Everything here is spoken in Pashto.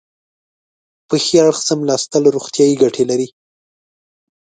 په ښي اړخ څملاستل روغتیایي ګټې لري.